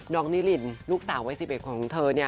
นิรินลูกสาววัย๑๑ของเธอเนี่ย